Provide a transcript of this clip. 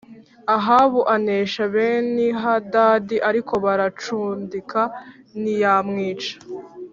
Ahabu anesha Benihadadi ariko baracudika ntiyamwica